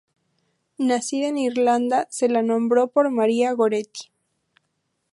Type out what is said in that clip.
Nacida en Irlanda, se la nombró por María Goretti.